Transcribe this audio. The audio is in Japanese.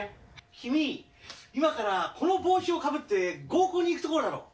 君、今からこの帽子をかぶって合コンに行くところだろ？